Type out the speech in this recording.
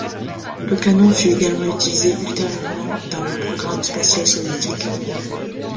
Le canon fut également utilisé ultérieurement dans le programme spatial soviétique.